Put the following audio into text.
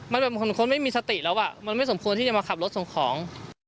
มันเหมือนคนไม่มีสติแล้วอ่ะมันไม่สมควรที่จะมาขับรถส่งของ